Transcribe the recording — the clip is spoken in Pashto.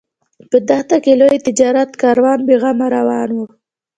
په دښته کې لوی تجارتي کاروان بې غمه روان و.